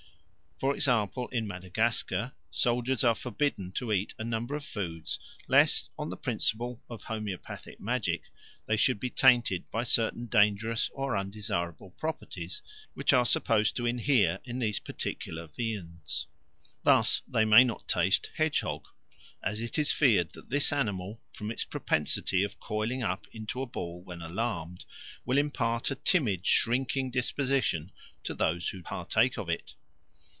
For example, in Madagascar soldiers are forbidden to eat a number of foods lest on the principle of homoeopathic magic they should be tainted by certain dangerous or undesirable properties which are supposed to inhere in these particular viands. Thus they may not taste hedgehog, "as it is feared that this animal, from its propensity of coiling up into a ball when alarmed, will impart a timid shrinking disposition to those who partake of it."